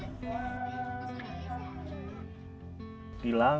tak membuat mereka hilang harapan